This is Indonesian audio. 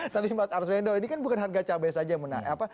tapi mas arswendo ini kan bukan harga cabai saja yang menarik